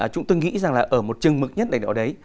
chúng tôi nghĩ rằng là ở một chừng mực nhất này đó đấy